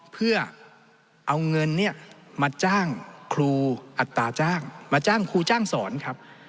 เพื่อเอาเงินเนี่ยมาจ้างครูอัตราจ้างมาจ้างครูจ้างสอนครับ